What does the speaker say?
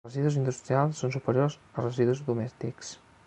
Els residus industrials són superiors als residus domèstics.